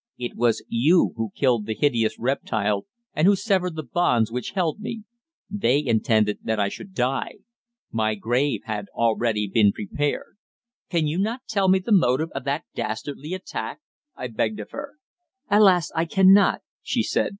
It was you who killed the hideous reptile and who severed the bonds which held me. They intended that I should die. My grave had already been prepared. Cannot you tell me the motive of that dastardly attack?" I begged of her. "Alas! I cannot," she said.